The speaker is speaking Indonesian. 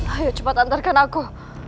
ayuh cepat antarkan aku